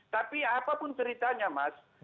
tapi apapun ceritanya mas